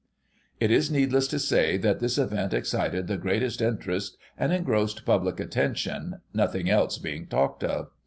It is needless to say that this event excited the greatest interest, and engrossed public attention, nothing else being talked of.